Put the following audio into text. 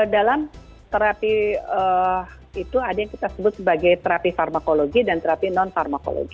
dalam terapi itu ada yang kita sebut sebagai terapi farmakologi dan terapi non farmakologi